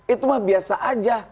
itu mah biasa aja